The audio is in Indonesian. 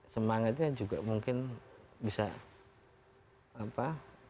semangatnya juga mungkin bisa apa